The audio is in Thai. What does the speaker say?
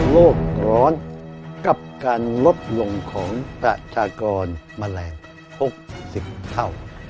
ร้อนกับการลดลงของประชากรแมลง๖๐เท่า